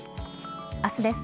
明日です。